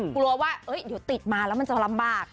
กลัวว่าเดี๋ยวติดมาแล้วมันจะลำบาก